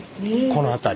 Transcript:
この辺り。